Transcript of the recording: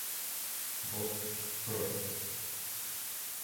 Bot., Proc.